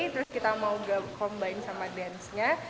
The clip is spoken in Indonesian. terus kita mau combine sama dance nya